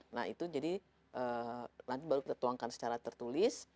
nah itu jadi lalu kita tuangkan secara tertulis